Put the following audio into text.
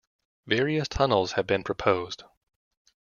Various tunnels have been proposed.